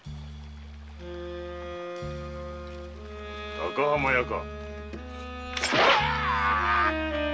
高浜屋か。